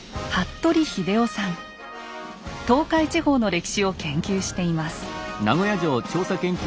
東海地方の歴史を研究しています。